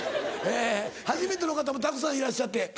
初めての方もたくさんいらっしゃって。